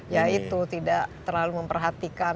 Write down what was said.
ya itu tidak terlalu memperhatikan